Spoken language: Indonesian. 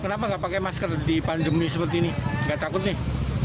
kenapa nggak pakai masker di pandemi seperti ini nggak takut nih